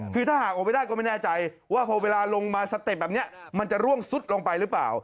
คือถ้าหากออกไปได้ก็ไม่แน่ใจว่าพอเวลาลงมาสเต็ปแบบนี้มันจะร่วงซุดลงไปหรือเปล่า